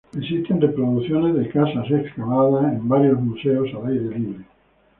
Existen reproducciones de casas excavadas en varios museos al aire libre, p.ej.